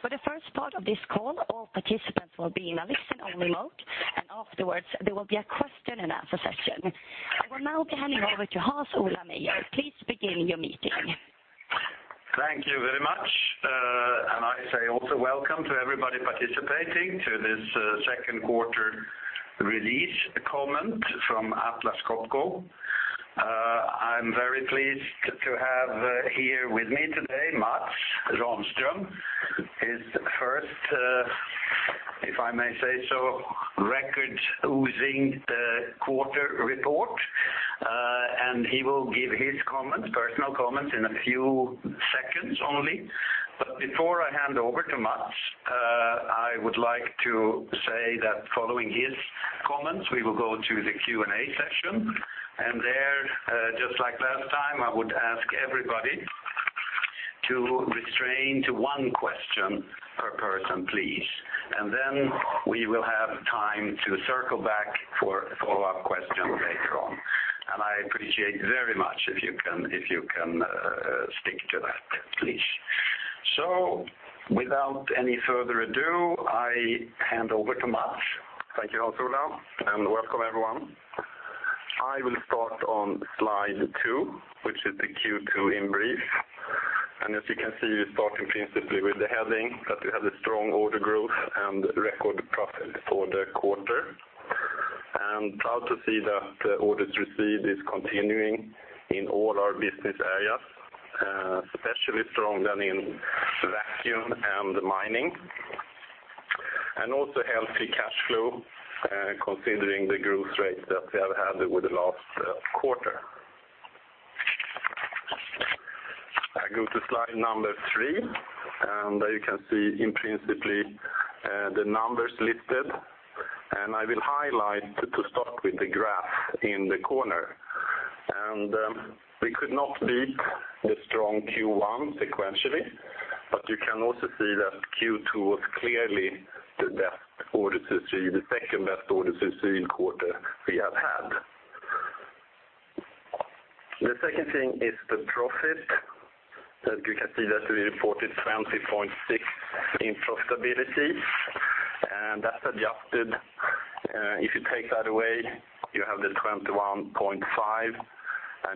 For the first part of this call, all participants will be in a listen-only mode. Afterwards, there will be a question and answer session. I will now be handing over to Hans Olav Meyer. Please begin your meeting. Thank you very much. I say also welcome to everybody participating to this second quarter release comment from Atlas Copco. I'm very pleased to have here with me today, Mats Rahmström. His first, if I may say so, record oozing quarter report. He will give his personal comments in a few seconds only. Before I hand over to Mats, I would like to say that following his comments, we will go to the Q&A session. There, just like last time, I would ask everybody to restrain to one question per person, please. Then we will have time to circle back for a follow-up question later on. I appreciate very much if you can stick to that, please. Without any further ado, I hand over to Mats. Thank you, Hans Ola. Welcome everyone. I will start on slide two, which is the Q2 in brief. As you can see, we start in principally with the heading, that we have a strong order growth and record profit for the quarter. I'm proud to see that the orders received is continuing in all our business areas, especially strong down in Vacuum and Mining, also healthy cash flow, considering the growth rate that we have had with the last quarter. I go to slide number three. There you can see in principally, the numbers listed. I will highlight to start with the graph in the corner. We could not beat the strong Q1 sequentially, you can also see that Q2 was clearly the best orders, the second-best orders received quarter we have had. The second thing is the profit that you can see that we reported 20.6% in profitability. That's adjusted. If you take that away, you have the 21.5%.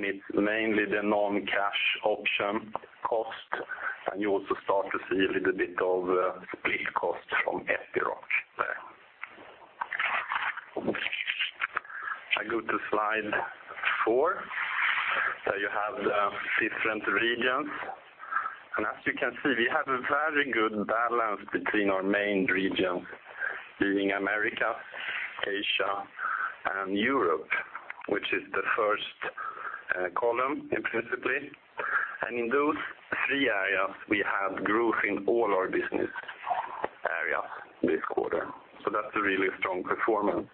It's mainly the non-cash option cost. You also start to see a little bit of split cost from Epiroc there. I go to slide four, where you have the different regions. As you can see, we have a very good balance between our main regions, being America, Asia, and Europe, which is the first column in principally. In those three areas, we have growth in all our business areas this quarter. That's a really strong performance.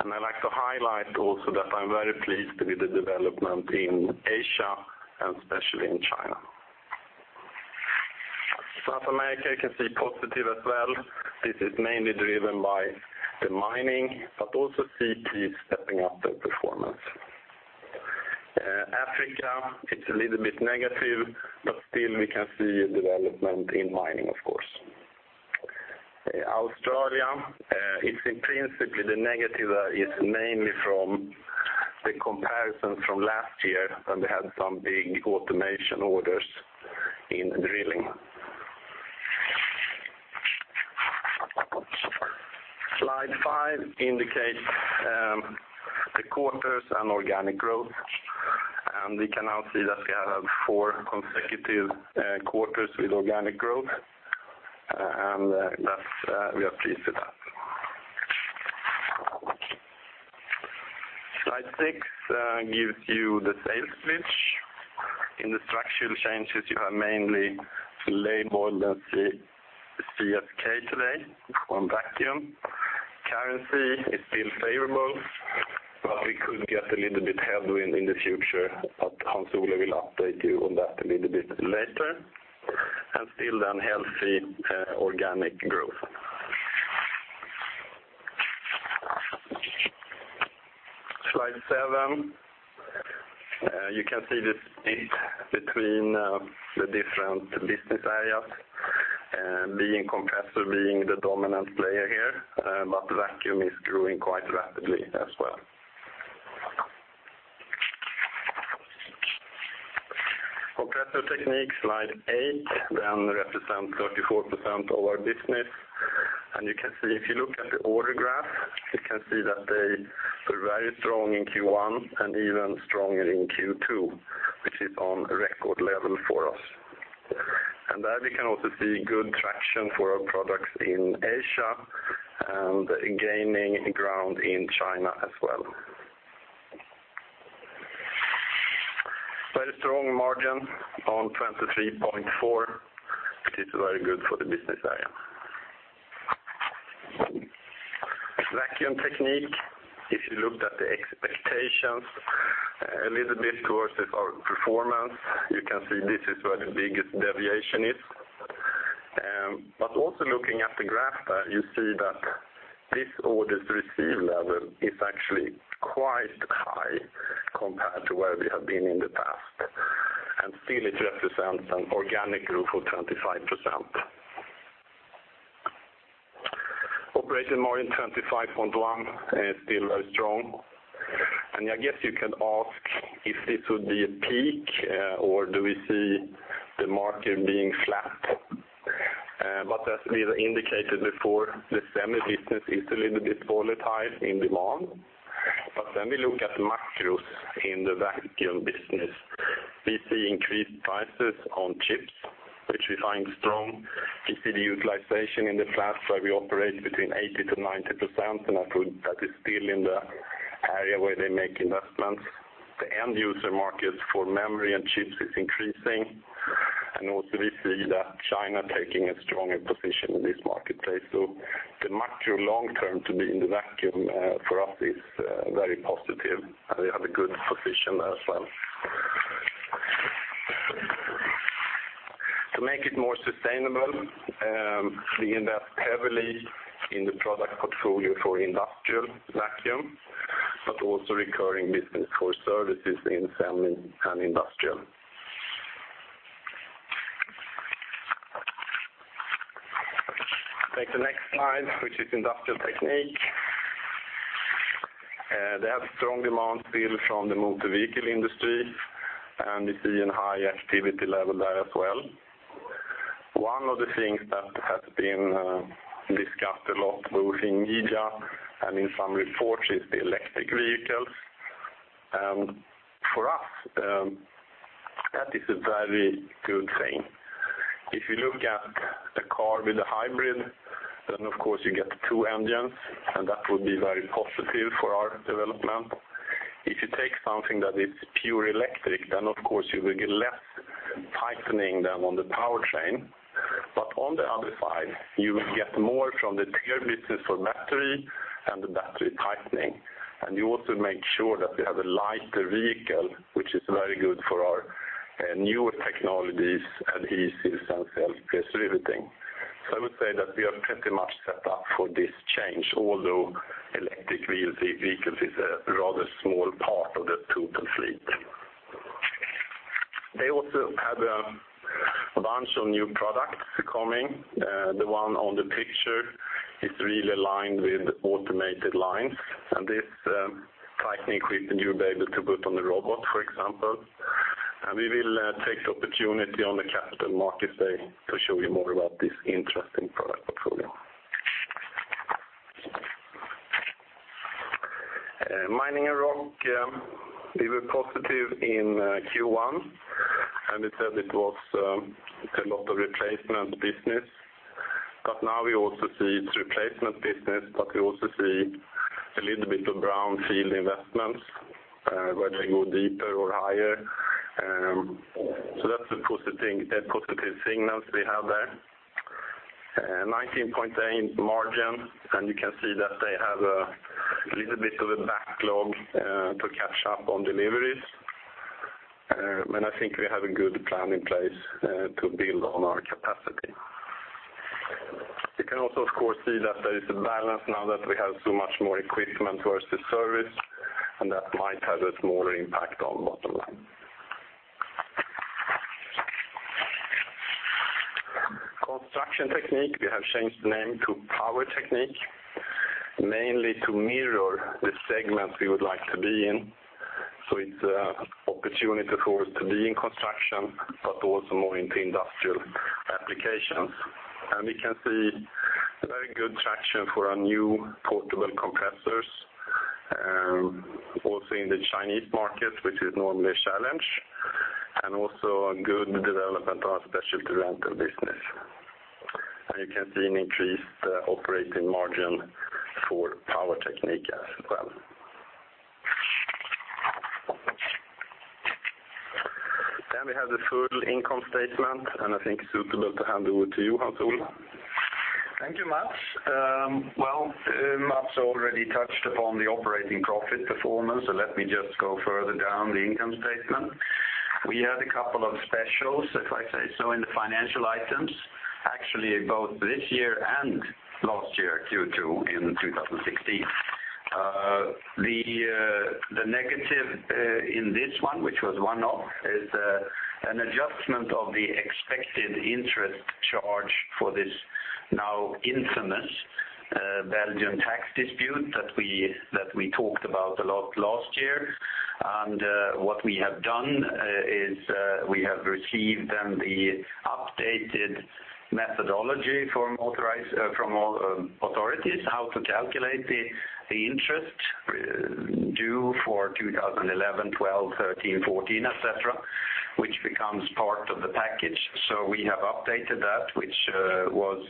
I'd like to highlight also that I'm very pleased with the development in Asia and especially in China. South America, you can see positive as well. This is mainly driven by the Mining, also CP stepping up their performance. Africa, a little bit negative, still we can see a development in mining, of course. Australia, principally the negative is mainly from the comparison from last year when we had some big automation orders in drilling. Slide 5 indicates the quarters and organic growth. We can now see that we have had four consecutive quarters with organic growth, we are pleased with that. Slide 6 gives you the sales mix. In the structural changes, you have mainly delayed more than the CSK today on Vacuum Technique. Currency is still favorable, we could get a little bit headwind in the future, Hans Olav will update you on that a little bit later, healthy organic growth. Slide 7, you can see the split between the different business areas, being Compressor Technique, being the dominant player here, Vacuum Technique is growing quite rapidly as well. Compressor Technique, Slide 8, represents 34% of our business. If you look at the order graph, they were very strong in Q1 and even stronger in Q2, which is on record level for us. There we can also see good traction for our products in Asia and gaining ground in China as well. Very strong margin on 23.4%, which is very good for the business area. Vacuum Technique, if you looked at the expectations a little bit versus our performance, you can see this is where the biggest deviation is. Also looking at the graph there, you see that this orders received level is actually quite high compared to where we have been in the past, still it represents an organic growth of 25%. Operating margin 25.1%, still very strong. I guess you can ask if this would be a peak, or do we see the market being flat? As we indicated before, the semi business is a little bit volatile in demand. We look at macros in the vacuum business. We see increased prices on chips, which we find strong. We see the utilization in the plants where we operate between 80%-90%, that is still in the area where they make investments. The end user market for memory and chips is increasing. Also we see that China taking a stronger position in this marketplace. The macro long term to be in the vacuum, for us, is very positive, we have a good position as well. To make it more sustainable, we invest heavily in the product portfolio for industrial vacuum, also recurring business for services in semi and industrial. Take the next slide, which is Industrial Technique. They have strong demand still from the motor vehicle industry, and we see a high activity level there as well. One of the things that has been discussed a lot, both in media and in some reports, is the electric vehicles. For us, that is a very good thing. If you look at a car with a hybrid, of course you get two engines, that would be very positive for our development. If you take something that is pure electric, of course you will get less tightening than on the powertrain. On the other side, you will get more from the tire business for battery and the battery tightening, and you also make sure that you have a lighter vehicle, which is very good for our newer technologies, adhesives, and self-pierce riveting. I would say that we are pretty much set up for this change, although electric vehicles is a rather small part of the total fleet. They also have a bunch of new products coming. The one on the picture is really aligned with automated lines, and this tightening equipment you are able to put on the robot, for example. We will take the opportunity on the Capital Markets Day to show you more about this interesting product portfolio. Mining and Rock, we were positive in Q1, and we said it was a lot of replacement business. Now we also see it's replacement business, but we also see a little bit of brown field investments, where they go deeper or higher. That's the positive signals we have there. 19.8% margin, and you can see that they have a little bit of a backlog to catch up on deliveries. I think we have a good plan in place to build on our capacity. You can also, of course, see that there is a balance now that we have so much more equipment versus service, and that might have a smaller impact on bottom line. Construction Technique, we have changed the name to Power Technique, mainly to mirror the segment we would like to be in. It's an opportunity for us to be in construction, but also more into industrial applications. We can see very good traction for our new portable compressors, also in the Chinese market, which is normally a challenge, and also a good development of our specialty rental business. You can see an increased operating margin for Power Technique as well. We have the full income statement, and I think it's suitable to hand over to you, Hans Olav. Thank you, Mats. Well, Mats already touched upon the operating profit performance, let me just go further down the income statement. We had a couple of specials, if I say so, in the financial items, actually both this year and last year, Q2 in 2016. The negative in this one, which was one-off, is an adjustment of the expected interest charge for this now infamous Belgian tax dispute that we talked about a lot last year. What we have done is, we have received then the updated methodology from authorities, how to calculate the interest due for 2011, 2012, 2013, 2014, et cetera, which becomes part of the package. We have updated that, which was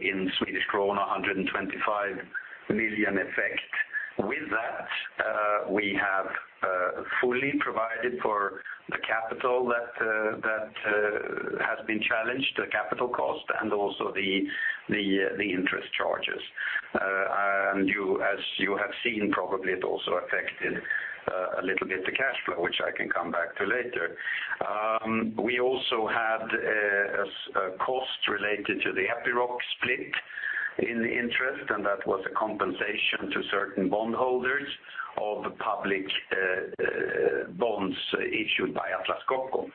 in Swedish krona, 125 million effect. With that, we have fully provided for the capital that has been challenged, the capital cost, and also the interest charges. As you have seen, probably it also affected a little bit the cash flow, which I can come back to later. We also had a cost related to the Epiroc split in the interest, and that was a compensation to certain bondholders of public bonds issued by Atlas Copco.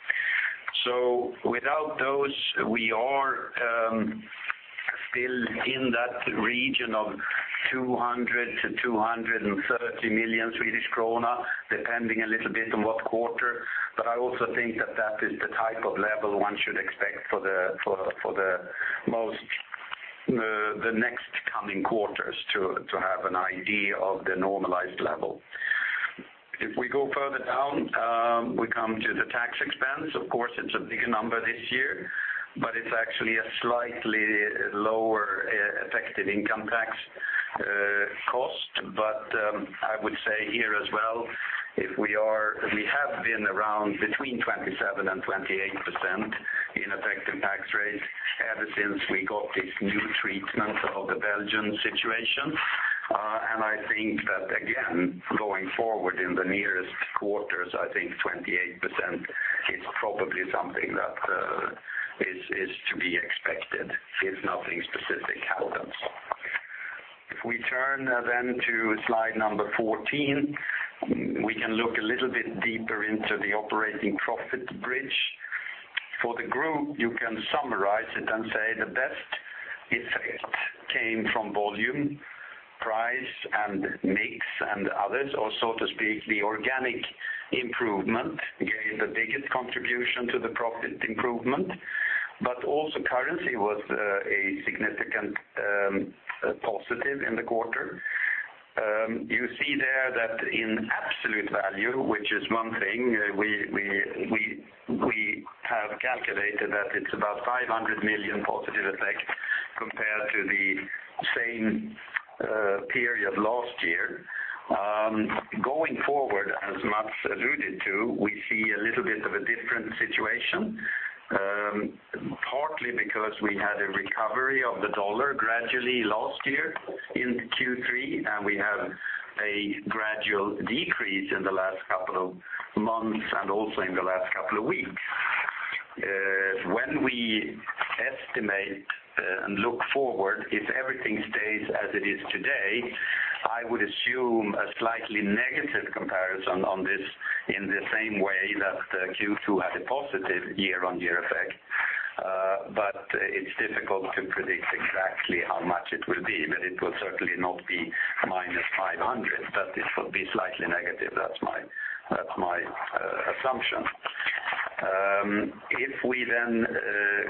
Without those, we are still in that region of 200 million-230 million Swedish krona, depending a little bit on what quarter. I also think that is the type of level one should expect for the next coming quarters to have an idea of the normalized level. We go further down, we come to the tax expense. It's a big number this year, but it's actually a slightly lower effective income tax cost. I would say here as well, we have been around between 27%-28% in effective tax rate ever since we got this new treatment of the Belgian situation. I think that, again, going forward in the nearest quarters, I think 28% is probably something that is to be expected if nothing specific happens. We turn to slide 14, we can look a little bit deeper into the operating profit bridge. For the group, you can summarize it and say the best effect came from volume, price, and mix and others, or so to speak, the organic improvement gave the biggest contribution to the profit improvement, but also currency was a significant positive in the quarter. You see there that in absolute value, which is one thing, we have calculated that it's about 500 million positive effect compared to the same period last year. Going forward, as Mats alluded to, we see a little bit of a different situation, partly because we had a recovery of the dollar gradually last year in Q3, and we have a gradual decrease in the last couple of months and also in the last couple of weeks. When we estimate and look forward, if everything stays as it is today, I would assume a slightly negative comparison on this in the same way that Q2 had a positive year-on-year effect. It's difficult to predict exactly how much it will be, but it will certainly not be -500, but it will be slightly negative. That's my assumption.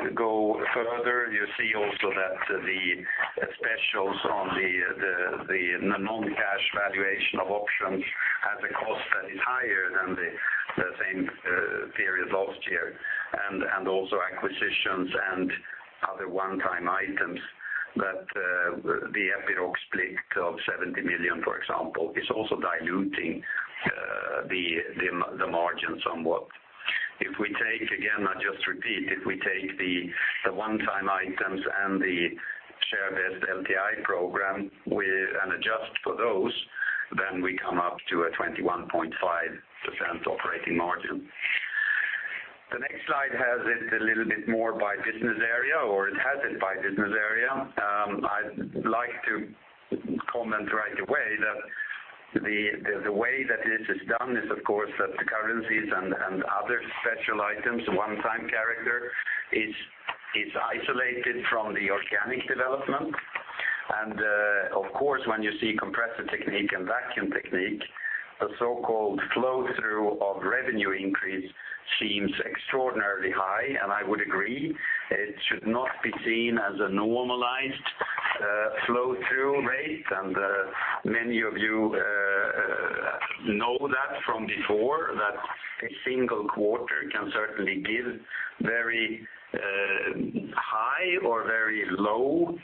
We go further, you see also that the specials on the non-cash valuation of options has a cost that is higher than the same period last year, and also acquisitions and other one-time items that the Epiroc split of 70 million, for example, is also diluting the margin somewhat. We take, again, I just repeat, if we take the one-time items and the Sharevest LTI program and adjust for those, then we come up to a 21.5% operating margin. The next slide has it a little bit more by business area, or it has it by business area. I'd like to comment right away that the way that this is done is, of course, that the currencies and other special items, one-time character, is isolated from the organic development. Of course, when you see Compressor Technique and Vacuum Technique, the so-called flow-through of revenue increase seems extraordinarily high, and I would agree. It should not be seen as a normalized flow-through rate, and many of you know that from before, that a single quarter can certainly give very high or very low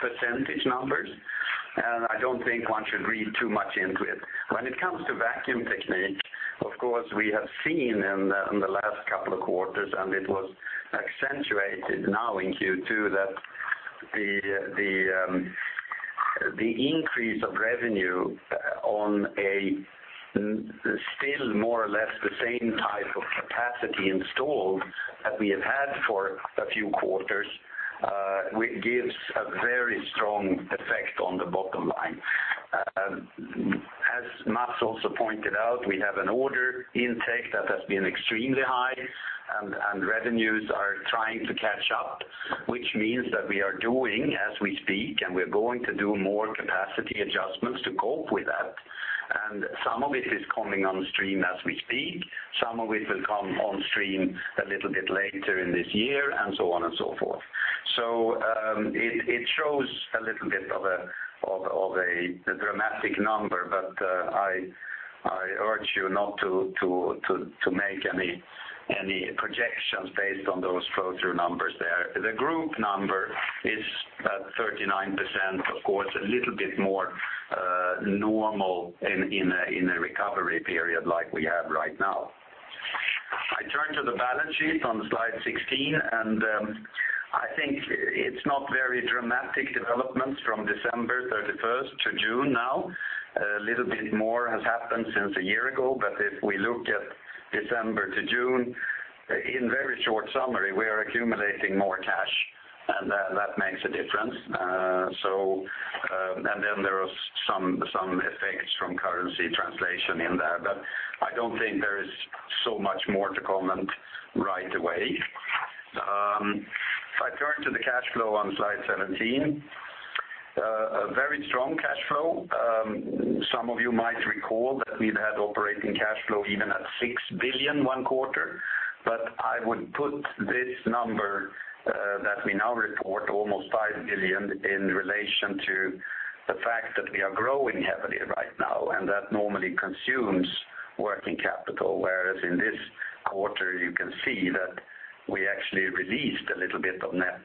percentage numbers, and I don't think one should read too much into it. When it comes to Vacuum Technique, of course, we have seen in the last couple of quarters, and it was accentuated now in Q2 that the increase of revenue on a still more or less the same type of capacity installed that we have had for a few quarters gives a very strong effect on the bottom line. As Mats also pointed out, we have an order intake that has been extremely high and revenues are trying to catch up, which means that we are doing as we speak, and we're going to do more capacity adjustments to cope with that. Some of it is coming on stream as we speak, some of it will come on stream a little bit later in this year, and so on and so forth. It shows a little bit of a dramatic number, but I urge you not to make any projections based on those flow-through numbers there. The group number is at 39%, of course, a little bit more normal in a recovery period like we have right now. Turn to the balance sheet on Slide 16, and I think it's not very dramatic developments from December 31st to June now. A little bit more has happened since a year ago, if we look at December to June, in very short summary, we are accumulating more cash, and that makes a difference. Then there are some effects from currency translation in there, but I don't think there is so much more to comment right away. If I turn to the cash flow on Slide 17. A very strong cash flow. Some of you might recall that we've had operating cash flow even at 6 billion one quarter, but I would put this number that we now report, almost 5 billion, in relation to the fact that we are growing heavily right now, and that normally consumes working capital. Whereas in this quarter, you can see that we actually released a little bit of net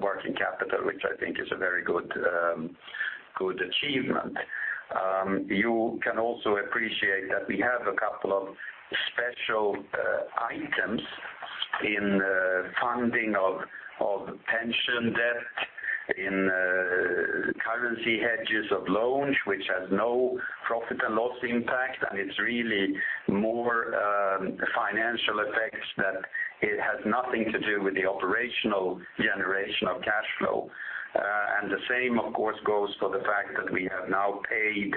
working capital, which I think is a very good achievement. You can also appreciate that we have a couple of special items in funding of pension debt, in currency hedges of loans, which has no profit and loss impact, and it's really more financial effects that it has nothing to do with the operational generation of cash flow. The same, of course, goes for the fact that we have now paid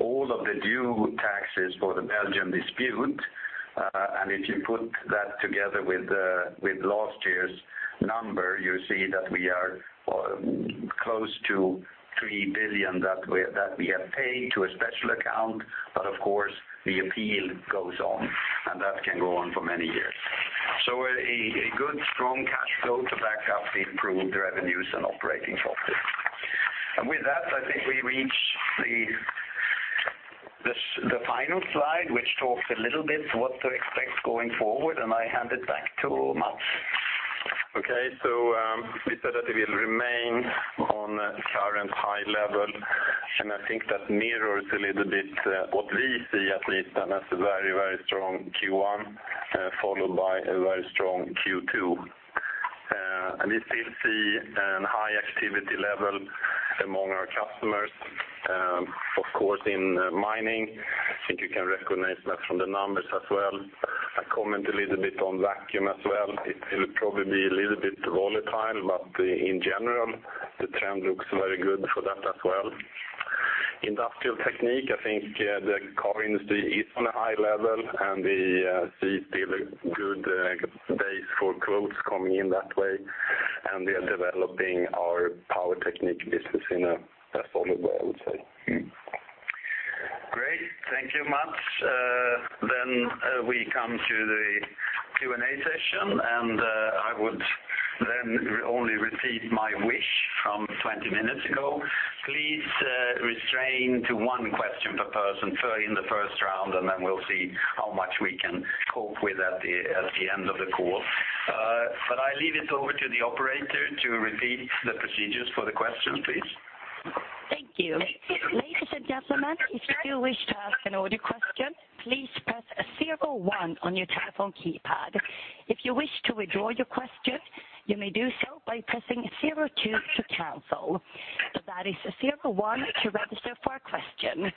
all of the due taxes for the Belgian dispute. If you put that together with last year's number, you see that we are close to 3 billion that we have paid to a special account, but of course, the appeal goes on, and that can go on for many years. A good strong cash flow to back up the improved revenues and operating profit. With that, I think we reach the final slide, which talks a little bit what to expect going forward, and I hand it back to Mats. Okay. We said that it will remain on current high level, and I think that mirrors a little bit what we see at least, and that's a very strong Q1, followed by a very strong Q2. We still see an high activity level among our customers, of course, in mining. I think you can recognize that from the numbers as well. I comment a little bit on vacuum as well. It will probably be a little bit volatile, but in general, the trend looks very good for that as well. Industrial Technique, I think the car industry is on a high level, and we see still a good base for quotes coming in that way, and we are developing our Power Technique business in a solid way, I would say. Great. Thank you, Mats. We come to the Q&A session, and I would then only repeat my wish from 20 minutes ago. Please restrain to one question per person in the first round, and then we'll see how much we can cope with at the end of the call. I leave it over to the operator to repeat the procedures for the questions, please. Thank you. Ladies and gentlemen, if you wish to ask an audio question, please press 01 on your telephone keypad. If you wish to withdraw your question, you may do so by pressing 02 to cancel. That is 01 to register for a question.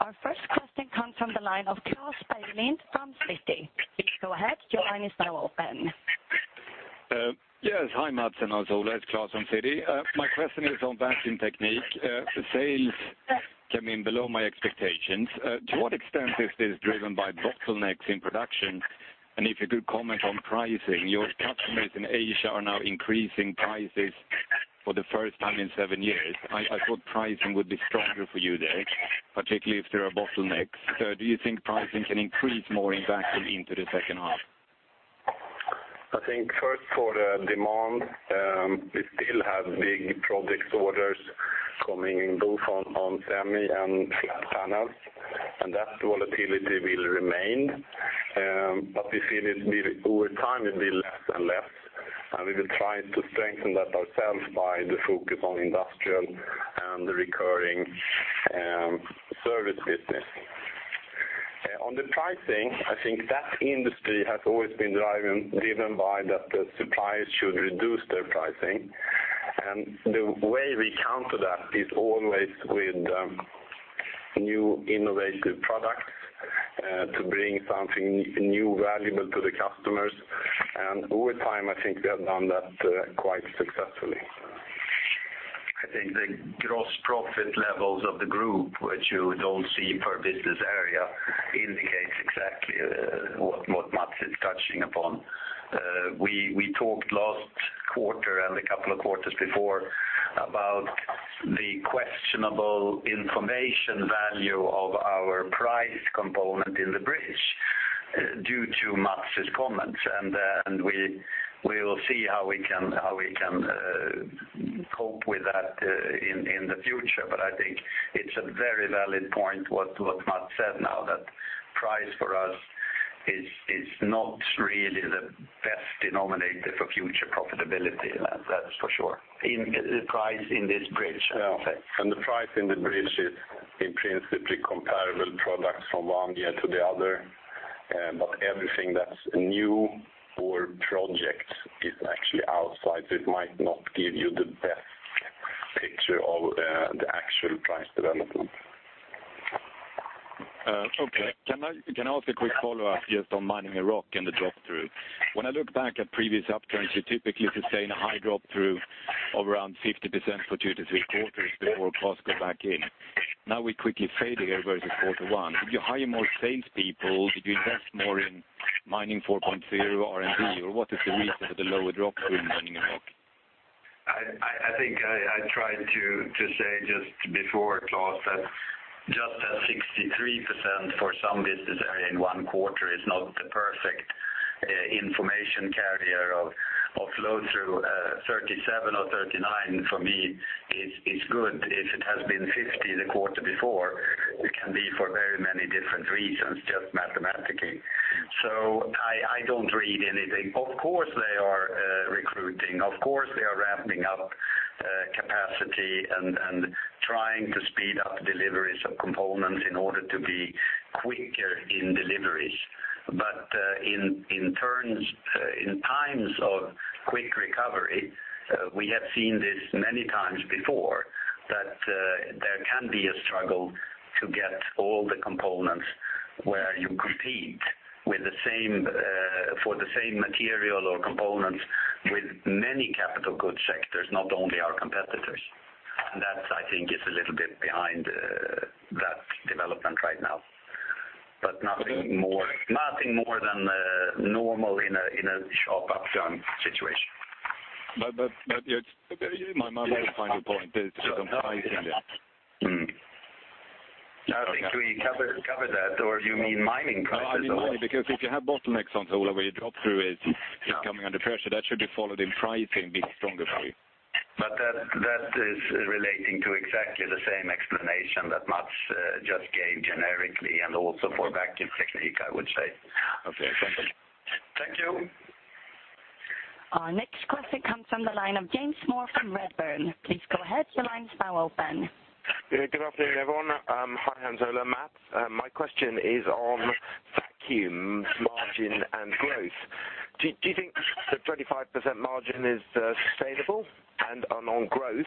Our first question comes from the line of Klas Bergelind from Citi. Please go ahead. Your line is now open. Yes. Hi, Mats and also Ola. It's Klas from Citi. My question is on Vacuum Technique. Sales came in below my expectations. To what extent is this driven by bottlenecks in production? If you could comment on pricing, your customers in Asia are now increasing prices for the first time in 7 years. I thought pricing would be stronger for you there, particularly if there are bottlenecks. Do you think pricing can increase more in Vacuum into the second half? I think first for the demand, we still have big project orders coming in, both on semi and flat panels, and that volatility will remain. We feel it over time, it'll be less and less, and we will try to strengthen that ourselves by the focus on industrial and the recurring service business. On the pricing, I think that industry has always been driven by that the suppliers should reduce their pricing. The way we counter that is always with new innovative products, to bring something new valuable to the customers. Over time, I think we have done that quite successfully. I think the gross profit levels of the group, which you don't see per business area, indicates exactly what Mats is touching upon. We talked last quarter and a couple of quarters before about the questionable information value of our price component in the bridge due to Mats' comments, and we will see how we can cope with that in the future. I think it's a very valid point what Mats said now that price for us is not really denominator for future profitability, that's for sure. In the price in this bridge, I would say. Yeah. The price in the bridge is in principle comparable products from one year to the other, but everything that's new or project is actually outside. It might not give you the best picture of the actual price development. Okay. Can I ask a quick follow-up just on Mining and Rock and the drop-through? When I look back at previous uptrends, you typically sustain a high drop-through of around 50% for two to three quarters before costs go back in. Now we quickly fade here versus quarter one. Did you hire more salespeople? Did you invest more in Mining 4.0 R&D, or what is the reason for the lower drop-through in Mining and Rock? I think I tried to say just before, Klas, that just at 63% for some business area in one quarter is not the perfect information carrier of flow through. 37 or 39 for me is good. If it has been 50 the quarter before, it can be for very many different reasons, just mathematically. I don't read anything. Of course, they are recruiting, of course, they are ramping up capacity and trying to speed up deliveries of components in order to be quicker in deliveries. In times of quick recovery, we have seen this many times before, that there can be a struggle to get all the components where you compete for the same material or components with many capital goods sectors, not only our competitors. That I think is a little bit behind that development right now. Nothing more than normal in a sharp upturn situation. My main point is on pricing. I think we covered that. You mean mining prices? Mining, because if you have bottlenecks on the volume, where your drop-through is coming under pressure, that should be followed in pricing be stronger for you. That is relating to exactly the same explanation that Mats just gave generically and also for Vacuum Technique, I would say. Okay. Thank you. Thank you. Our next question comes from the line of James Moore from Redburn. Please go ahead. Your line is now open. Good afternoon, everyone. Hi, Hans Ola, Mats. My question is on vacuum margin and growth. Do you think the 25% margin is sustainable? On growth,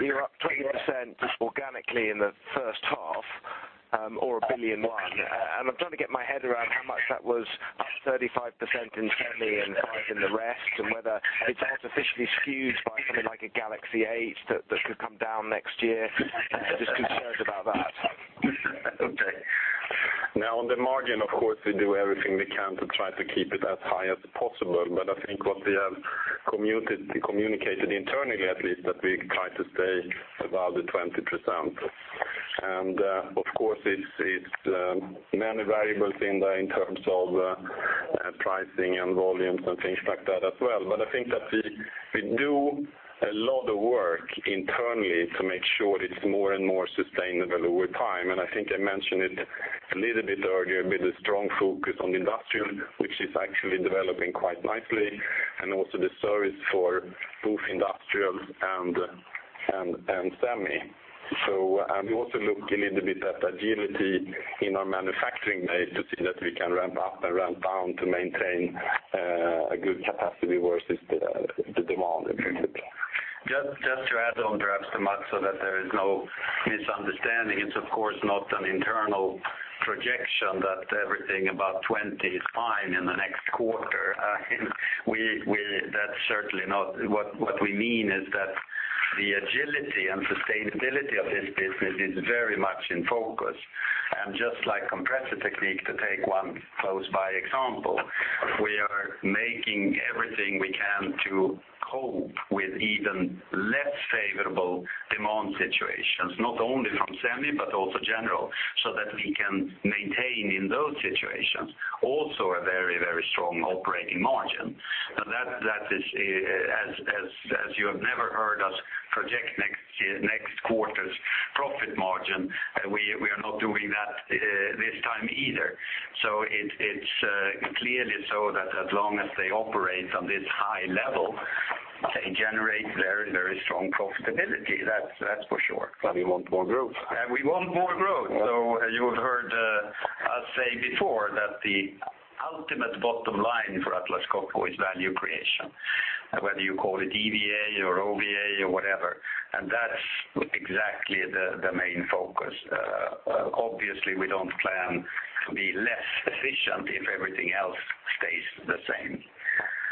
you're up 20% just organically in the first half or 1.1 billion. I'm trying to get my head around how much that was up 35% in semi and 5% in the rest, and whether it's artificially skewed by something like a Galaxy S8 that could come down next year. Just concerned about that. Okay. Now, on the margin, of course, we do everything we can to try to keep it as high as possible. I think what we have communicated internally, at least, that we try to stay above the 20%. Of course, it's many variables in there in terms of pricing and volumes and things like that as well. I think that we do a lot of work internally to make sure it's more and more sustainable over time. I think I mentioned it a little bit earlier with a strong focus on industrial, which is actually developing quite nicely, and also the service for both industrials and semi. We also look a little bit at agility in our manufacturing base to see that we can ramp up and ramp down to maintain a good capacity versus the demand, if you could. Just to add on perhaps to Mats so that there is no misunderstanding. It's of course not an internal projection that everything about 20 is fine in the next quarter. That's certainly not. What we mean is that the agility and sustainability of this business is very much in focus. Just like Compressor Technique to take one close-by example, we are making everything we can to cope with even less favorable demand situations, not only from semi, but also general, so that we can maintain in those situations also a very strong operating margin. As you have never heard us project next quarter's profit margin, we are not doing that this time either. It's clearly so that as long as they operate on this high level, they generate very strong profitability, that's for sure. We want more growth. We want more growth. You've heard us say before that the ultimate bottom line for Atlas Copco is value creation, whether you call it EVA or OVA or whatever, and that's exactly the main focus. Obviously, we don't plan to be less efficient if everything else stays the same.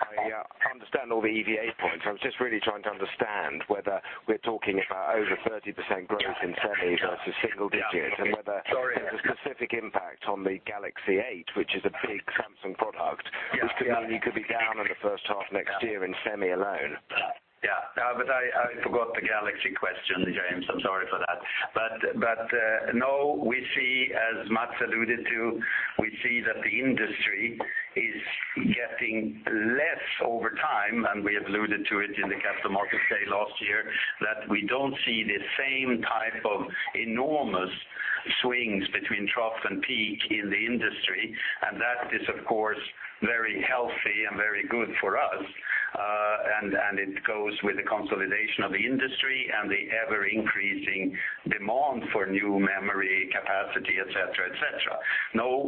I understand all the EVA points. I was just really trying to understand whether we're talking about over 30% growth in semi versus single digits. Sorry There's a specific impact on the Galaxy S8, which is a big Samsung product, which could mean you could be down on the first half next year in semi alone. Yeah. I forgot the Galaxy question, James. I'm sorry for that. As Mats alluded to, we see that the industry is getting less over time, and we alluded to it in the Capital Markets Day last year, that we don't see the same type of enormous swings between trough and peak in the industry, and that is, of course, very healthy and very good for us. It goes with the consolidation of the industry and the ever-increasing demand for new memory capacity, et cetera.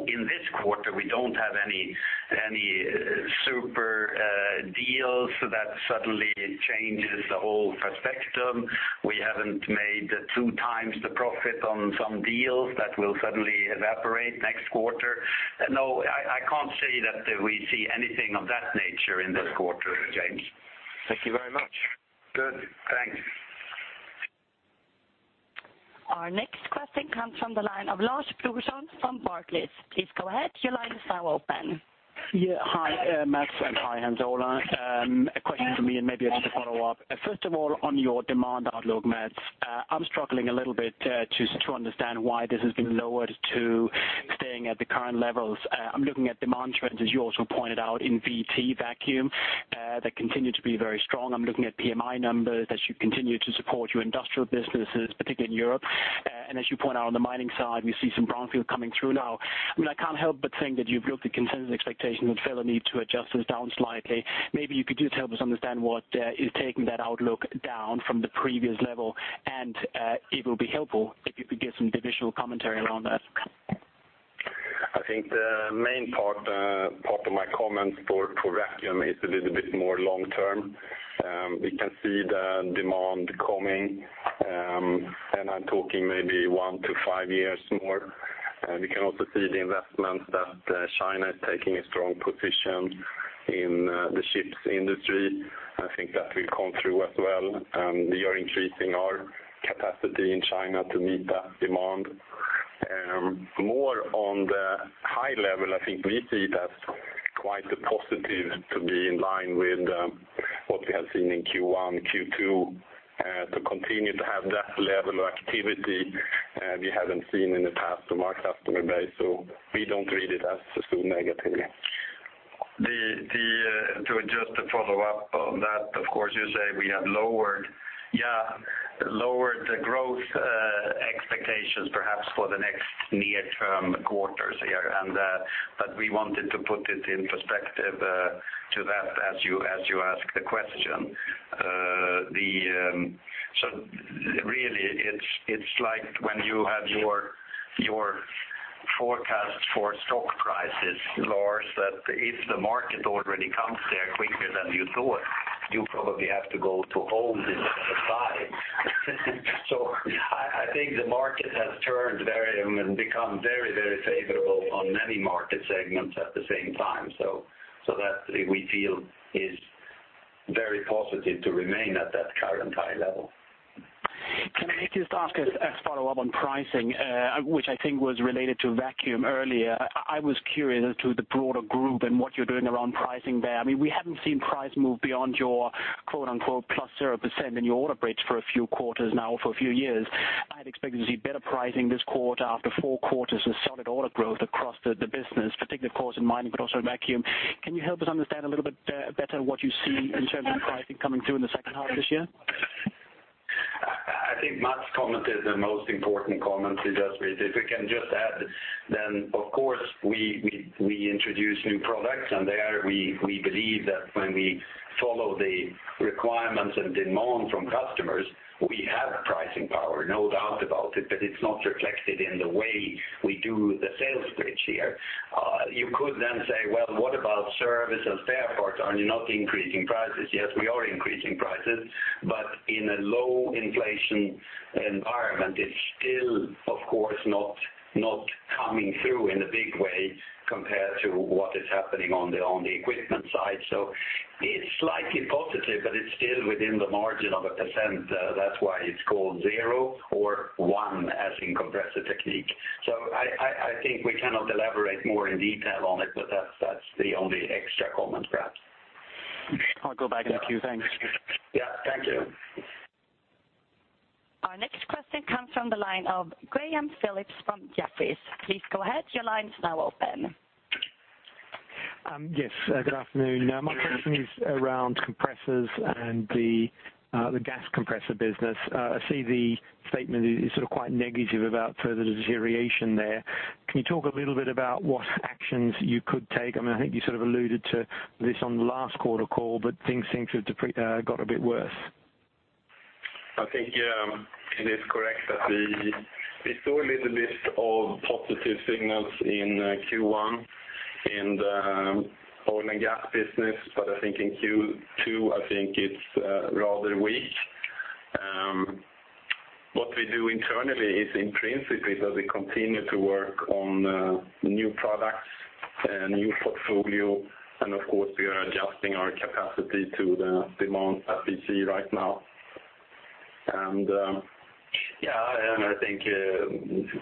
In this quarter, we don't have any super deals that suddenly changes the whole prospect. We haven't made two times the profit on some deals that will suddenly evaporate next quarter. I can't say that we see anything of that nature in this quarter, James. Thank you very much. Good. Thanks. Our next question comes from the line of Lars Brorson from Barclays. Please go ahead. Your line is now open. Yeah. Hi, Mats, and hi, Hans Ola. A question for me, and maybe just a follow-up. First of all, on your demand outlook, Mats, I'm struggling a little bit to understand why this has been lowered to staying at the current levels. I'm looking at demand trends, as you also pointed out in VT, vacuum, that continue to be very strong. I'm looking at PMI numbers as you continue to support your industrial businesses, particularly in Europe. As you point out on the mining side, we see some brownfield coming through now. I can't help but think that you've built the consensus expectation and feel we need to adjust this down slightly. Maybe you could just help us understand what is taking that outlook down from the previous level, and it will be helpful if you could give some divisional commentary around that. I think the main part of my comments for vacuum is a little bit more long-term. We can see the demand coming, and I'm talking maybe one to five years more. We can also see the investments that China is taking a strong position in the chips industry. I think that will come through as well. We are increasing our capacity in China to meet that demand. More on the high level, I think we see it as quite a positive to be in line with what we have seen in Q1, Q2, to continue to have that level of activity we haven't seen in the past to our customer base, so we don't read it as too negative. To just follow up on that, of course, you say we have lowered the growth expectations perhaps for the next near term quarters here, but we wanted to put it in perspective to that as you ask the question. Really it's like when you have your forecast for stock prices, Lars, that if the market already comes there quicker than you thought, you probably have to go to hold instead of buy. I think the market has turned and become very favorable on many market segments at the same time. That we feel is very positive to remain at that current high level. Can I just ask as a follow-up on pricing, which I think was related to vacuum earlier. I was curious as to the broader group and what you're doing around pricing there. We haven't seen price move beyond your "plus 0%" in your order bridge for a few quarters now, for a few years. I'd expected to see better pricing this quarter after four quarters of solid order growth across the business, particularly of course, in mining, but also in vacuum. Can you help us understand a little bit better what you see in terms of pricing coming through in the second half of this year? I think Mats' comment is the most important comment. If we can just add, of course, we introduce new products, and there we believe that when we follow the requirements and demand from customers, we have pricing power, no doubt about it, but it's not reflected in the way we do the sales pitch here. You could then say, "Well, what about service and spare parts? Are you not increasing prices?" Yes, we are increasing prices, but in a low inflation environment, it's still, of course, not coming through in a big way compared to what is happening on the equipment side. It's slightly positive, but it's still within the margin of 1%. That's why it's called zero or one as in Compressor Technique. I think we cannot elaborate more in detail on it, but that's the only extra comment, perhaps. I'll go back in a queue. Thanks. Yeah. Thank you. Our next question comes from the line of Graham Phillips from Jefferies. Please go ahead. Your line is now open. Yes. Good afternoon. My question is around compressors and the gas compressor business. I see the statement is quite negative about further deterioration there. Can you talk a little bit about what actions you could take? I think you alluded to this on the last quarter call, but things seem to have got a bit worse. I think, it is correct that we saw a little bit of positive signals in Q1 in the oil and gas business, but I think in Q2, I think it's rather weak. What we do internally is in principle that we continue to work on new products and new portfolio, and of course, we are adjusting our capacity to the demand that we see right now. Yeah. I think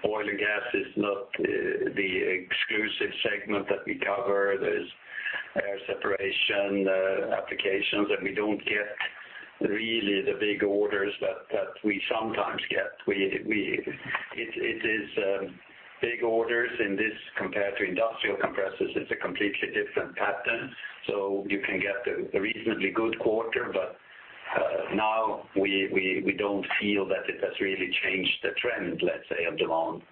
oil and gas is not the exclusive segment that we cover. There's air separation applications that we don't get really the big orders that we sometimes get. It is big orders in this compared to industrial compressors, it's a completely different pattern. You can get a reasonably good quarter. We don't feel that it has really changed the trend, let's say, of demand.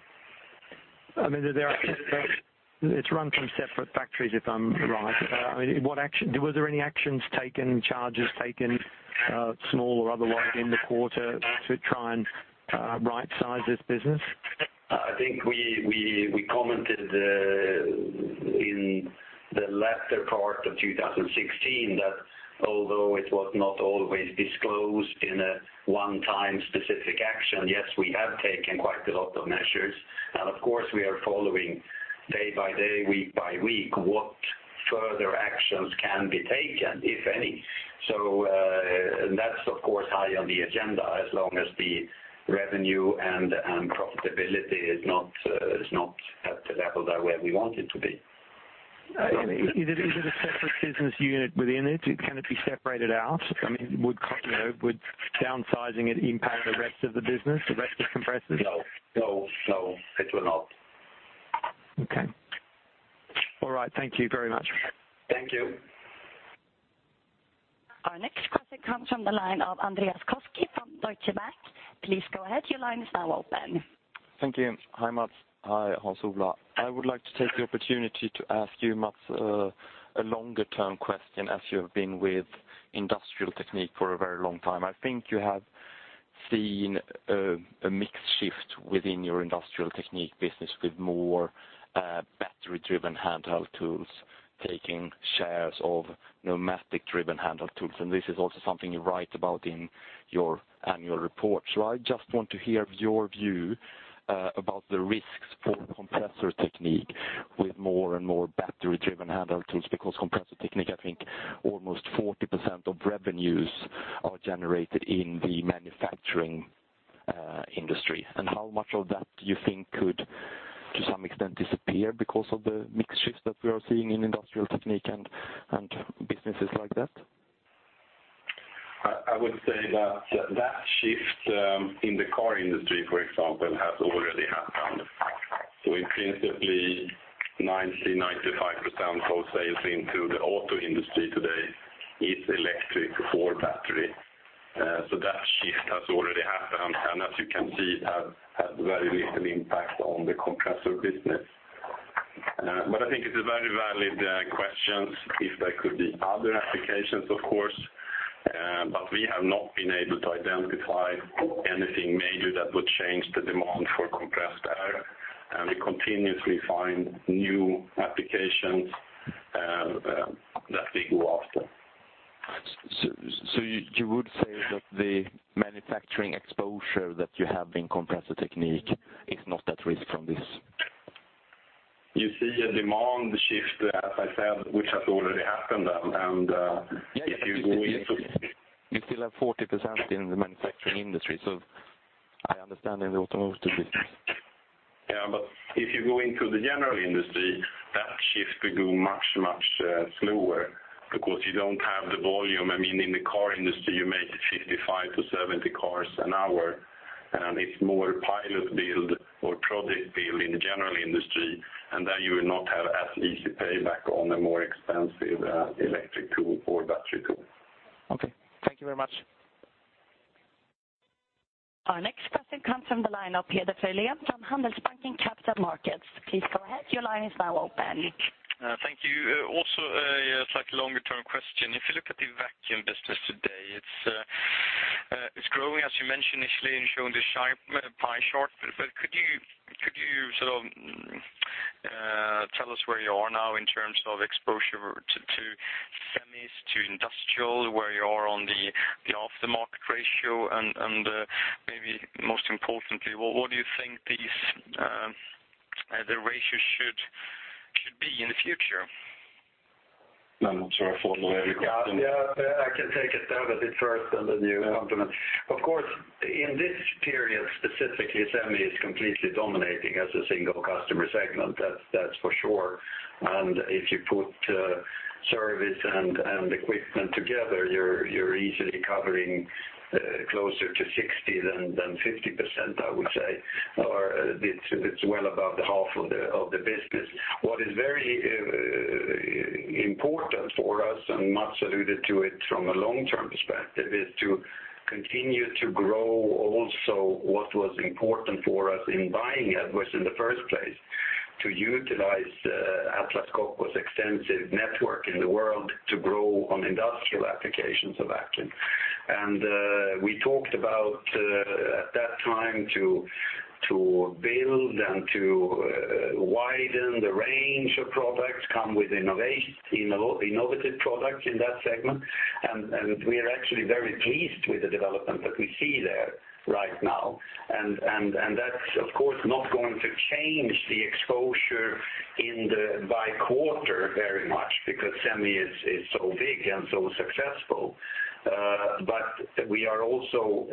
It's run from separate factories, if I'm right. Were there any actions taken, charges taken, small or otherwise in the quarter to try and right-size this business? I think we commented in the latter part of 2016 that although it was not always disclosed in a one-time specific action, yes, we have taken quite a lot of measures. Of course, we are following day by day, week by week, what further actions can be taken, if any. That's of course high on the agenda as long as the revenue and profitability is not at the level that where we want it to be. Is it a separate business unit within it? Can it be separated out? Would downsizing it impact the rest of the business, the rest of compressors? No, it will not. Okay. All right. Thank you very much. Thank you. Our next question comes from the line of Andreas Koski from Deutsche Bank. Please go ahead. Your line is now open. Thank you. Hi, Mats. Hi, Hans Ola. I would like to take the opportunity to ask you, Mats, a longer term question as you have been with Industrial Technique for a very long time. I think you have seen a mix shift within your Industrial Technique business with more battery driven handheld tools, taking shares of pneumatic driven handheld tools, and this is also something you write about in your annual report. I just want to hear your view about the risks for Compressor Technique with more and more battery driven handheld tools. Compressor Technique, I think almost 40% of revenues are generated in the manufacturing industry. How much of that do you think could, to some extent, disappear because of the mix shift that we are seeing in Industrial Technique and businesses like that? I would say that that shift in the car industry, for example, has already happened. Essentially, 90%, 95% of sales into the auto industry today is electric or battery. That shift has already happened, and as you can see, had very little impact on the compressor business. I think it's a very valid question if there could be other applications, of course. We have not been able to identify anything major that would change the demand for compressed air, and we continuously find new applications that we go after. You would say that the manufacturing exposure that you have in Compressor Technique is not at risk from this? You see a demand shift, as I said, which has already happened. You still have 40% in the manufacturing industry, so I understand in the automotive business. Yeah, if you go into the general industry, that shift will go much, much slower because you don't have the volume. In the car industry, you make 55 to 70 cars an hour, it's more pilot build or project build in the general industry, there you will not have as easy payback on a more expensive electric tool or battery tool. Okay. Thank you very much. Our next question comes from the line of Peder Frölén from Handelsbanken Capital Markets. Please go ahead. Your line is now open. Thank you. A slightly longer term question. If you look at the vacuum business today, it's growing as you mentioned initially and shown the pie chart, could you tell us where you are now in terms of exposure to semis, to industrial, where you are on the aftermarket ratio and, maybe most importantly, what do you think the ratio should be in the future? I'm sorry, follow every question. I can take it Mats, first, then you complement. Of course, in this period specifically, semi is completely dominating as a single customer segment, that's for sure. If you put service and equipment together, you're easily covering closer to 60% than 50%, I would say, or it's well above the half of the business. What is very important for us, Mats alluded to it from a long-term perspective, is to continue to grow also what was important for us in buying Atlas in the first place, to utilize Atlas Copco's extensive network in the world to grow on industrial applications of Atlas. We talked about, at that time, to build and to widen the range of products, come with innovative products in that segment, and we are actually very pleased with the development that we see there right now. That's of course not going to change the exposure by quarter very much because semi is so big and so successful. We are also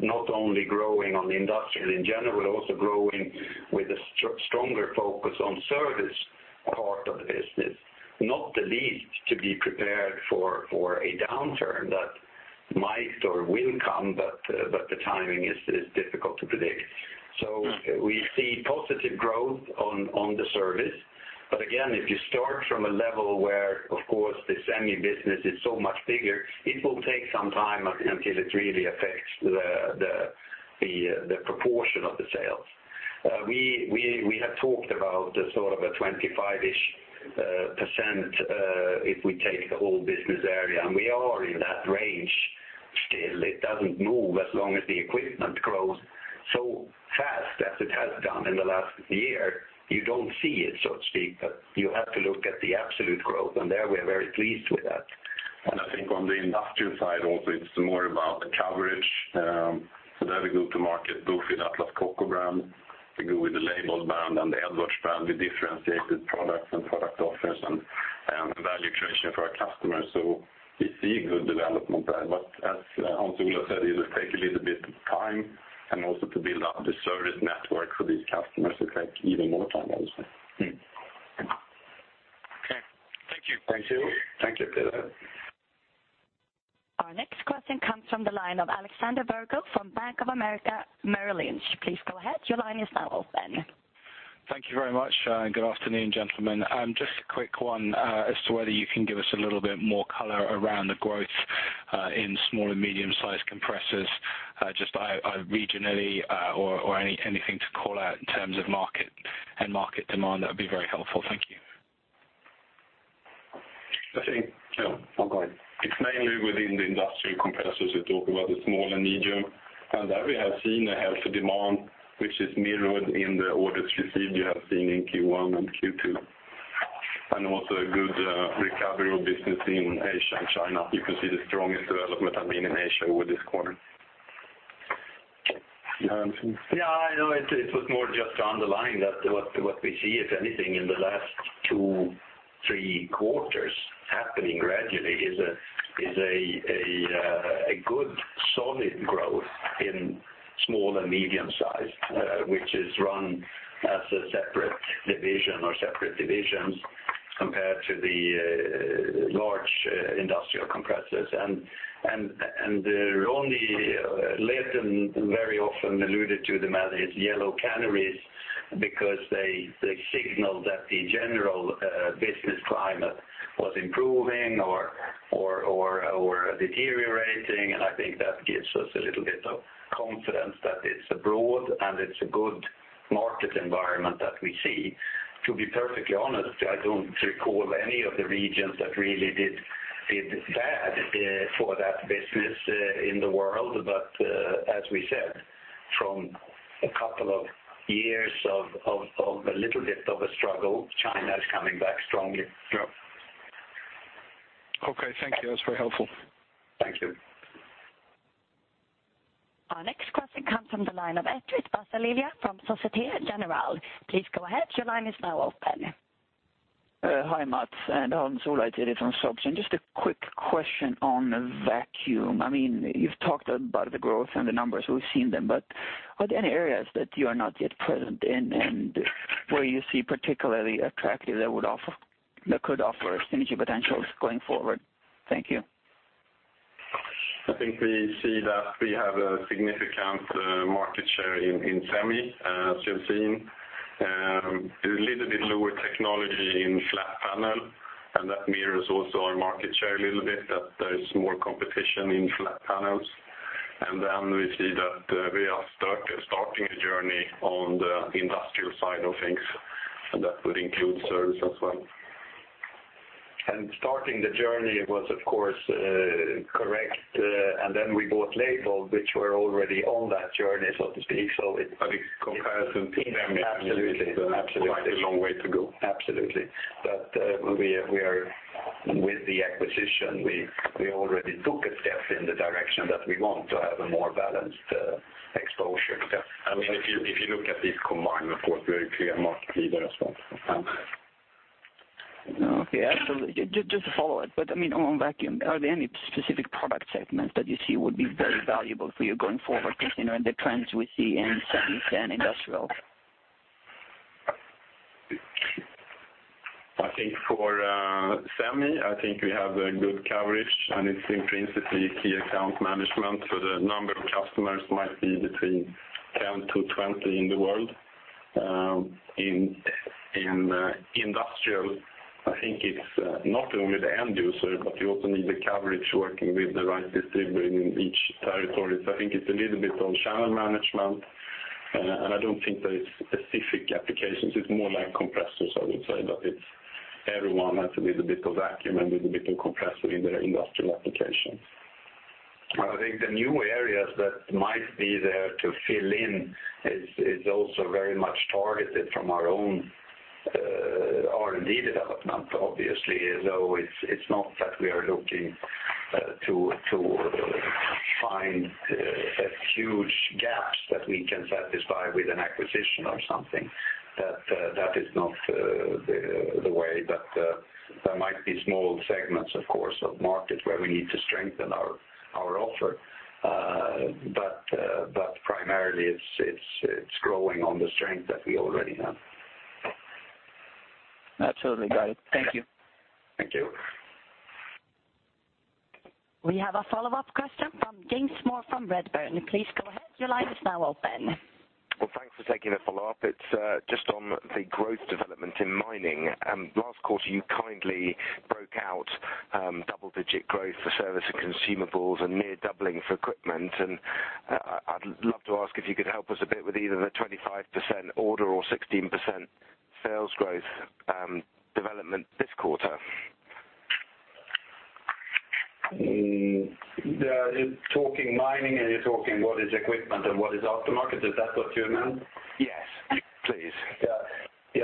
not only growing on the industrial in general, also growing with a stronger focus on service part of the business, not the least to be prepared for a downturn that might or will come, the timing is difficult to predict. We see positive growth on the service. Again, if you start from a level where, of course, the semi business is so much bigger, it will take some time until it really affects the proportion of the sales. We have talked about a 25-ish%, if we take the whole business area, we are in that range still. It doesn't move as long as the equipment grows so fast as it has done in the last year. You don't see it, so to speak, but you have to look at the absolute growth. There, we are very pleased with that. I think on the industrial side also, it's more about the coverage. There we go to market both with Atlas Copco brand, we go with the Leybold brand and the Edwards brand. We differentiate the products and product offers and value creation for our customers. We see good development there. As Hans Olav said, it will take a little bit of time, and also to build up the service network for these customers will take even more time also. Okay. Thank you. Thank you. Thank you. Thank you. Our next question comes from the line of Alexander Virgo from Bank of America Merrill Lynch. Please go ahead. Your line is now open. Thank you very much. Good afternoon, gentlemen. Just a quick one, as to whether you can give us a little bit more color around the growth in small and medium sized compressors, just by regionally, or anything to call out in terms of market and market demand, that would be very helpful. Thank you. I think. No, go on. It's mainly within the industrial compressors you talk about, the small and medium. There we have seen a healthy demand, which is mirrored in the orders received you have seen in Q1 and Q2. Also a good recovery of business in Asia and China. You can see the strongest development has been in Asia over this quarter. Hans? Yeah, I know it was more just underlying that what we see, if anything, in the last two, three quarters, happening gradually, is a good, solid growth in small and medium size, which is run as a separate division or separate divisions, compared to the large industrial compressors. They're only latent, very often alluded to them as yellow canaries because they signal that the general business climate was improving or deteriorating. I think that gives us a little bit of confidence that it's a broad and it's a good market environment that we see. To be perfectly honest, I don't recall any of the regions that really did bad for that business in the world. As we said, from a couple of years of a little bit of a struggle, China is coming back strongly. Yeah. Okay. Thank you. That was very helpful. Thank you. Our next question comes from the line of Alasdair Leslie from Société Générale. Please go ahead. Your line is now open. Hi, Mats and Hans Olav, Alasdair from Société Générale. Just a quick question on Vacuum. Are there any areas that you are not yet present in and where you see particularly attractive that could offer synergy potentials going forward? Thank you. I think we see that we have a significant market share in semi, as you have seen. A little bit lower technology in flat panel, and that mirrors also our market share a little bit, that there is more competition in flat panels. We see that we are starting a journey on the industrial side of things, that would include service as well. Starting the journey was, of course, correct, we bought Leybold, which were already on that journey, so to speak. in comparison to semi- Absolutely quite a long way to go. Absolutely. With the acquisition, we already took a step in the direction that we want to have a more balanced exposure. I mean, if you look at this combined, of course, very clear market leader as well. Okay. Absolutely. Just to follow it, on vacuum, are there any specific product segments that you see would be very valuable for you going forward? Because the trends we see in semi, and industrial. I think for semi, I think we have a good coverage, and it's principally key account management. The number of customers might be between 10-20 in the world. In industrial, I think it's not only the end user, but you also need the coverage working with the right distributor in each territory. I think it's a little bit on channel management, I don't think there is specific applications. It's more like compressors, I would say, everyone has a little bit of vacuum and a little bit of compressor in their industrial applications. I think the new areas that might be there to fill in is also very much targeted from our own R&D development, obviously, though it's not that we are looking to find huge gaps that we can satisfy with an acquisition or something. That is not the way, there might be small segments, of course, of market where we need to strengthen our offer. Primarily it's growing on the strength that we already have. Absolutely. Got it. Thank you. Thank you. We have a follow-up question from James Moore from Redburn. Please go ahead. Your line is now open. Well, thanks for taking the follow-up. It's just on the growth development in mining. Last quarter you kindly broke out double-digit growth for service and consumables and near doubling for equipment, and I'd love to ask if you could help us a bit with either the 25% order or 16% sales growth development this quarter. You're talking mining, and you're talking what is equipment and what is aftermarket. Is that what you meant? Yes, please. Yeah.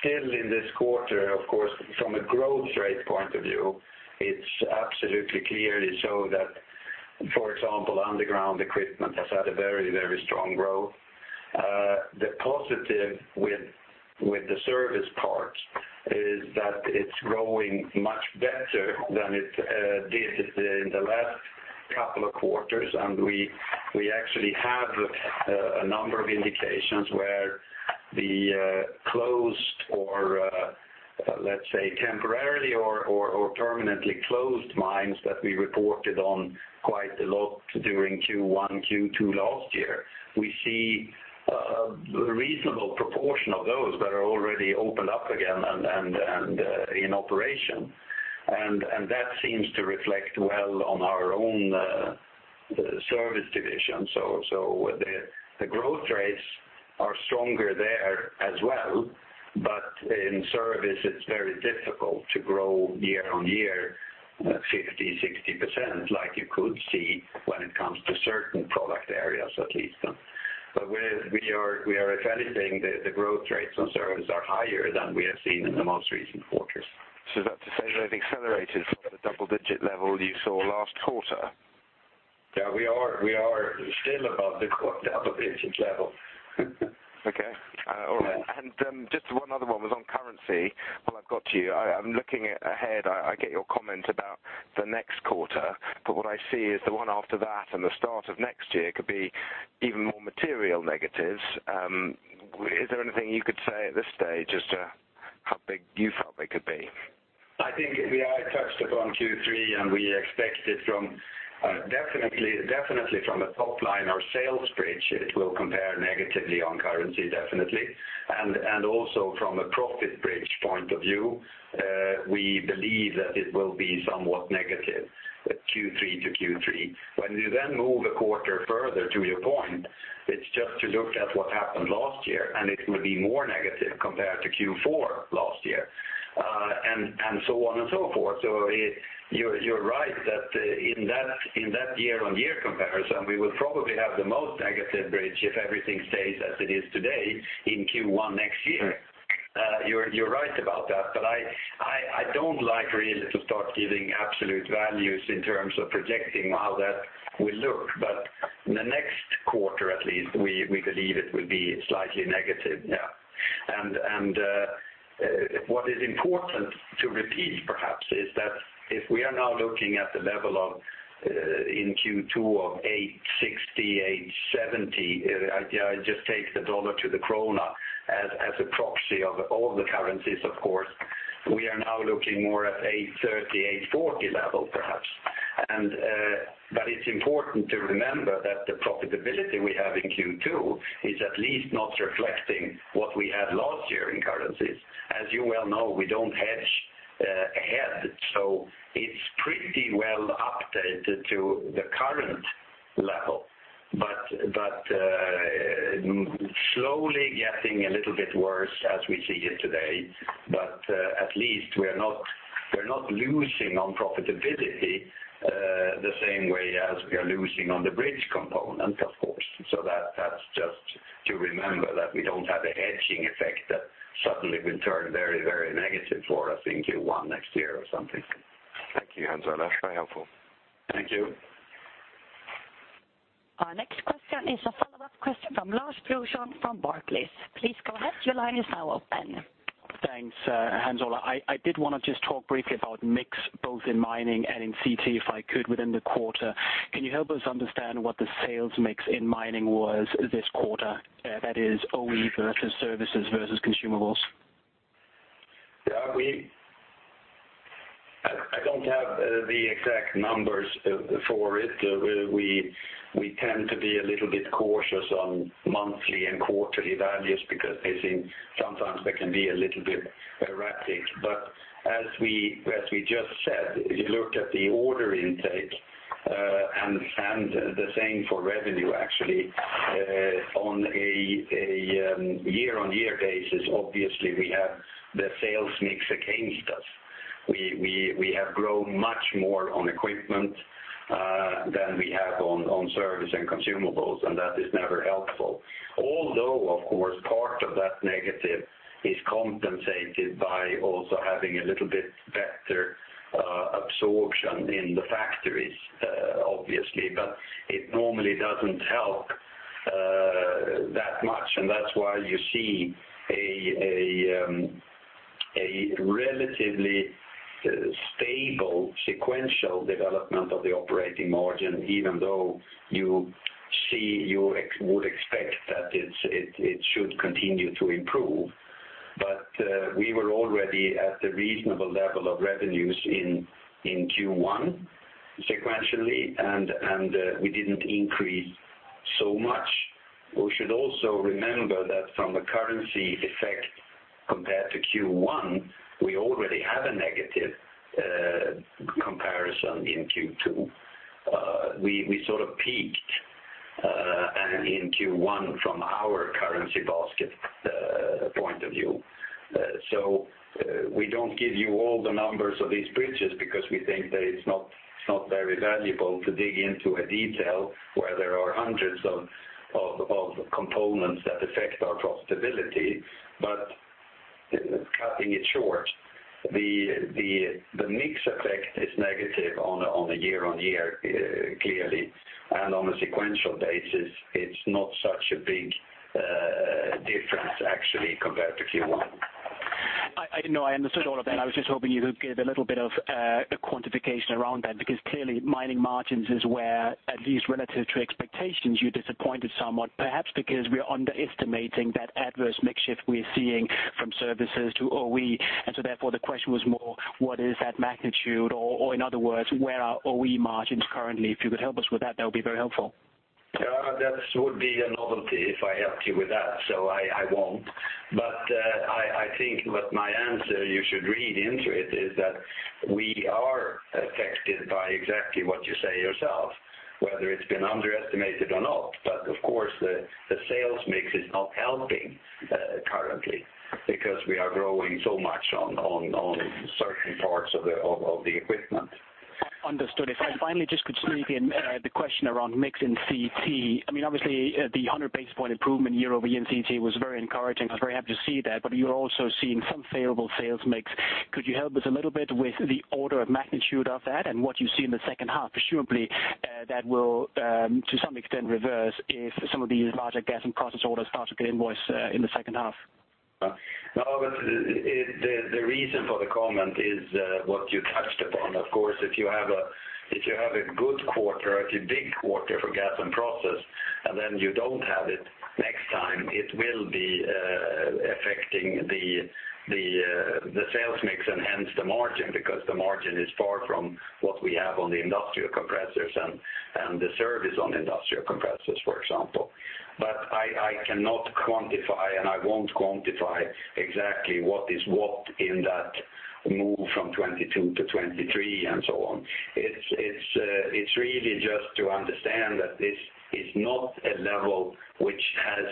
Still in this quarter, of course, from a growth rate point of view, it's absolutely clearly shown that, for example, underground equipment has had a very strong growth. The positive with the service part is that it's growing much better than it did in the last couple of quarters, and we actually have a number of indications where the closed or, let's say, temporarily or permanently closed mines that we reported on quite a lot during Q1, Q2 last year. We see a reasonable proportion of those that are already opened up again and in operation, and that seems to reflect well on our own service division. The growth rates are stronger there as well. In service, it's very difficult to grow year-over-year 50%, 60%, like you could see when it comes to certain product areas at least. We are evaluating the growth rates on service are higher than we have seen in the most recent quarters. Is that to say they've accelerated from the double-digit level you saw last quarter? Yeah, we are still above the double-digit level. Okay. All right. Just one other one was on currency, while I've got you. I'm looking ahead. I get your comment about the next quarter, what I see is the one after that and the start of next year could be even more material negatives. Is there anything you could say at this stage as to how big you felt they could be? I think we are touched upon Q3, we expect it definitely from a top line or sales bridge, it will compare negatively on currency, definitely. Also from a profit bridge point of view, we believe that it will be somewhat negative, Q3 to Q3. When you then move a quarter further to your point, it's just to look at what happened last year, it will be more negative compared to Q4 last year, and so on and so forth. You're right that in that year-on-year comparison, we will probably have the most negative bridge if everything stays as it is today in Q1 next year. You're right about that. I don't like really to start giving absolute values in terms of projecting how that will look. The next quarter at least, we believe it will be slightly negative, yeah. What is important to repeat perhaps, is that if we are now looking at the level in Q2 of 860-870, I just take the dollar to the krona as a proxy of all the currencies, of course. We are now looking more at 830-840 level, perhaps. It's important to remember that the profitability we have in Q2 is at least not reflecting what we had last year in currencies. As you well know, we don't hedge ahead, it's pretty well updated to the current level. Slowly getting a little bit worse as we see it today. At least we're not losing on profitability the same way as we are losing on the bridge component, of course. That's just to remember that we don't have a hedging effect that suddenly will turn very negative for us in Q1 next year or something. Thank you, Hans Ola. That's very helpful. Thank you. Our next question is a follow-up question from Lars Brorson from Barclays. Please go ahead. Your line is now open. Thanks, Hans Ola. I did want to just talk briefly about mix, both in mining and in CT, if I could, within the quarter. Can you help us understand what the sales mix in mining was this quarter? That is OE versus services versus consumables. I don't have the exact numbers for it. We tend to be a little bit cautious on monthly and quarterly values because sometimes they can be a little bit erratic. As we just said, if you look at the order intake, and the same for revenue, actually, on a year-on-year basis, obviously, we have the sales mix against us. We have grown much more on equipment than we have on service and consumables, and that is never helpful. Of course, part of that negative is compensated by also having a little bit better absorption in the factories obviously, it normally doesn't help that much, and that's why you see a relatively stable sequential development of the operating margin, even though you would expect that it should continue to improve. That we were already at the reasonable level of revenues in Q1 sequentially, we didn't increase so much. We should also remember that from a currency effect compared to Q1, we already have a negative comparison in Q2. We sort of peaked, and in Q1 from our currency basket point of view. We don't give you all the numbers of these bridges, because we think that it's not very valuable to dig into a detail where there are hundreds of components that affect our profitability. Cutting it short, the mix effect is negative on a year-on-year, clearly, and on a sequential basis, it's not such a big difference actually compared to Q1. No, I understood all of that. I was just hoping you could give a little bit of a quantification around that, because clearly Mining margins is where, at least relative to expectations, you disappointed somewhat, perhaps because we're underestimating that adverse mix shift we're seeing from services to OE. Therefore the question was more, what is that magnitude? Or in other words, where are OE margins currently? If you could help us with that would be very helpful. That would be a novelty if I helped you with that, I won't. I think what my answer you should read into it is that we are affected by exactly what you say yourself, whether it's been underestimated or not. Of course, the sales mix is not helping currently because we are growing so much on certain parts of the equipment. Understood. If I finally just could sneak in the question around mix in CT. Obviously the 100 basis point improvement year-over-year in CT was very encouraging. I was very happy to see that, but you are also seeing some favorable sales mix. Could you help us a little bit with the order of magnitude of that and what you see in the second half? Presumably, that will, to some extent reverse if some of these larger gas and process orders start to get invoiced in the second half. No, the reason for the comment is what you touched upon. Of course, if you have a good quarter, a big quarter for gas and process, and then you don't have it next time, it will be affecting the sales mix and hence the margin, because the margin is far from what we have on the industrial compressors and the service on industrial compressors, for example. I cannot quantify, and I won't quantify exactly what is what in that move from 22 to 23 and so on. It is really just to understand that this is not a level which has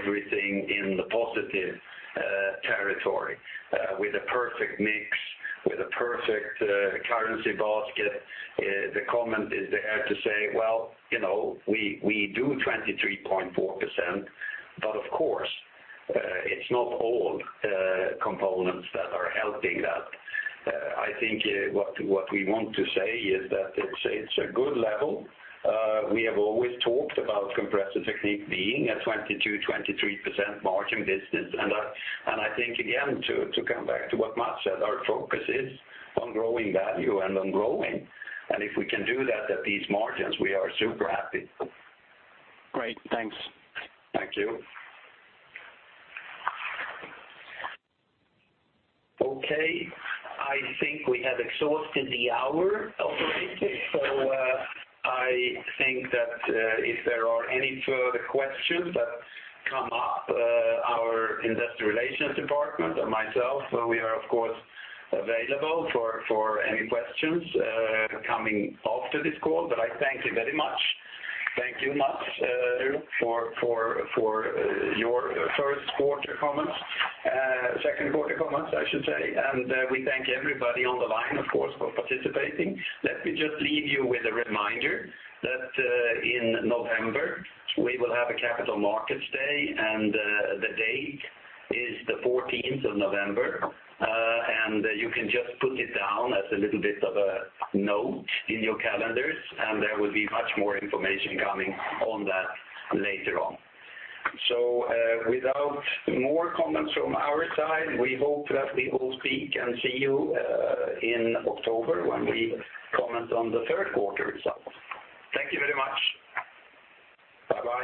everything in the positive territory, with a perfect mix, with a perfect currency basket. The comment is there to say, well, we do 23.4%, but of course, it is not all components that are helping that. I think what we want to say is that it is a good level. We have always talked about Compressor Technique being a 22, 23% margin business. I think, again, to come back to what Mats said, our focus is on growing value and on growing. If we can do that at these margins, we are super happy. Great. Thanks. Thank you. Okay, I think we have exhausted the hour, ultimately. I think that if there are any further questions that come up, our investor relations department or myself, we are of course available for any questions coming after this call. I thank you very much. Thank you, Mats. Thank you. for your first quarter comments. Second quarter comments, I should say. We thank everybody on the line, of course, for participating. Let me just leave you with a reminder that in November, we will have a Capital Markets Day, and the date is the 14th of November. You can just put it down as a little bit of a note in your calendars, and there will be much more information coming on that later on. Without more comments from our side, we hope that we will speak and see you in October when we comment on the third quarter results. Thank you very much. Bye-bye.